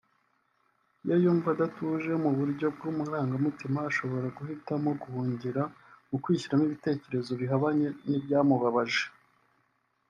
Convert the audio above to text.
Iyo yumva adatuje mu buryo bw’amarangamutima ashobora guhitamo guhungira mu kwishyiramo ibitekerezo bihabanye n’ibyamubabaje